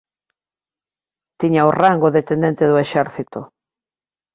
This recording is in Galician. Tiña o rango de tenente do exército.